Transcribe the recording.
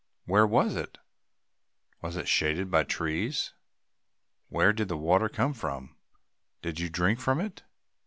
Where was it? Was it shaded by trees? Where did the water come from? Did you drink from it?